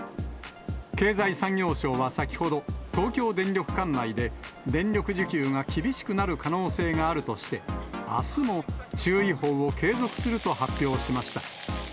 経済産業省は先ほど、東京電力管内で、電力需給が厳しくなる可能性があるとして、あすも注意報を継続すると発表しました。